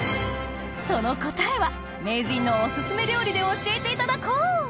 その答えは名人のお薦め料理で教えていただこう！